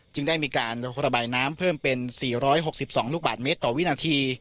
ได้มีการระบายน้ำเพิ่มเป็น๔๖๒ลูกบาทเมตรต่อวินาที